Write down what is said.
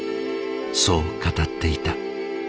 そう語っていた。